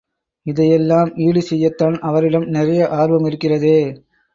இதையெல்லாம் ஈடு செய்யத்தான் அவரிடம் நிறைய ஆர்வம் இருக்கிறதே.